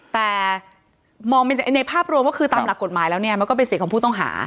แต่มองในภาพรวมว่าคือตามหลักกฎหมายแล้วเนี่ยมันก็เป็นสิทธิ์ของผู้ต้องหา